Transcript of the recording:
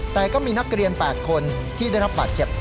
แต่ก็มีนักเรียน๘คนที่ได้รับบาดเจ็บ